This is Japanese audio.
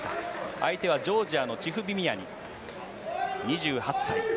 相手はジョージアのチフビミアニ、２８歳。